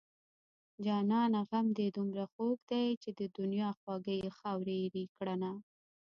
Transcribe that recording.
جانانه غم دې دومره خوږ دی چې د دنيا خواږه يې خاورې ايرې کړنه